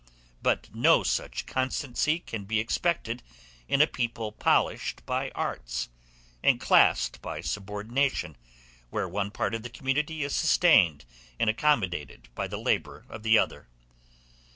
But no such constancy can be expected in a people polished by arts, and classed by subordination, where one part of the community is sustained and accommodated by the labor of the other.